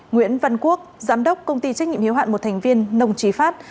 nguyễn văn quốc giám đốc công ty trách nhiệm hiếu hạn một thành viên nông trí phát